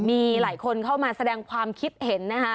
มีหลายคนเข้ามาแสดงความคิดเห็นนะคะ